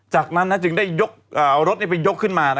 จากนั้นจึงได้ยกเอารถไปยกขึ้นมา